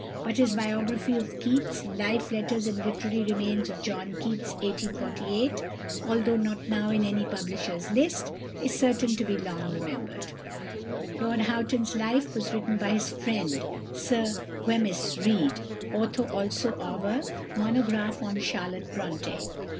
But his biography of Keats "Life, Letters, and Literary Remains of John Keats (1848)," although not now in any publisher's list, is certain to be long remembered. Lord Houghton's life was written by his friend, Sir Wemyss Reid, author also of a "Monograph on Charlotte Brontë."